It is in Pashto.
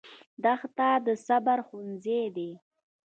دښته د صبر ښوونځی دی.